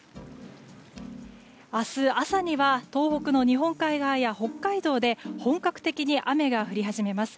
明日朝には東北の日本海側や北海道で本格的に雨が降り始めます。